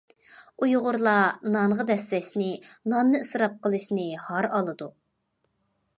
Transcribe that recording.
ئۇيغۇرلار نانغا دەسسەشنى، ناننى ئىسراپ قىلىشنى ھار ئالىدۇ.